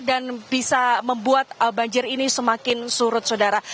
dan bisa membuat banjir ini semakin surut saudara